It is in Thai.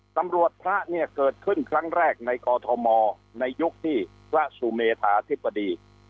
ตำรวจพระเนี่ยเกิดขึ้นครั้งแรกในกอทมในยุคที่พระสุเมธาธิบดี